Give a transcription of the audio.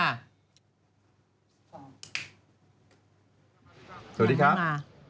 อ่ายังไม่มา